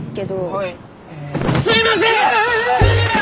あぁすいません。